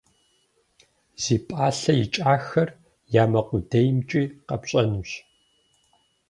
Зи пӏалъэ икӏахэр я мэ къудеймкӏи къэпщӏэнущ.